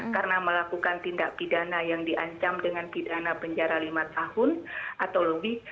karena melakukan tindak pidana yang diancam dengan pidana penjara lima tahun atau lebih